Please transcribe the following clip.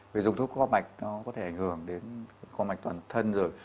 vì dùng thuốc co mạch nó có thể ảnh hưởng đến co mạch toàn thân rồi